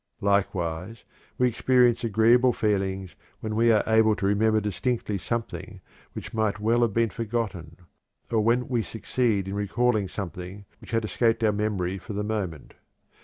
Likewise, we experience agreeable feelings when we are able to remember distinctly something which might well have been forgotten, or when we succeed in recalling something which had escaped our memory for the moment.